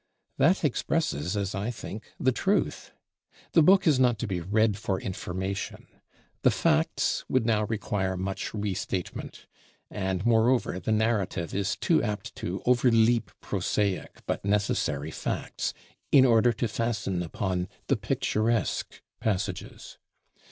That expresses, as I think, the truth. The book is not to be "read for information." The facts would now require much restatement; and moreover, the narrative is too apt to overleap prosaic but necessary facts in order to fasten upon the picturesque passages.